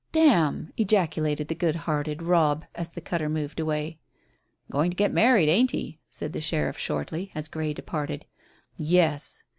"Damn!" ejaculated the good hearted Robb, as the cutter moved away. "Going to get married, ain't he?" said the sheriff shortly, as Grey departed. "Yes."